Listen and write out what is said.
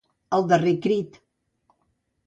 El darrer crit.